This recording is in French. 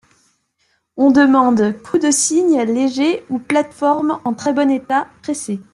On demande cou de cygne léger ou plate-forme en très bon état, pressé.